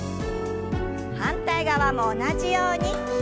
反対側も同じように。